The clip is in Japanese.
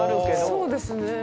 そうですね。